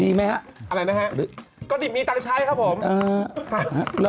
ดีไหมครับ